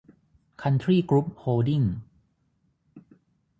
คันทรี่ กรุ๊ป โฮลดิ้งส์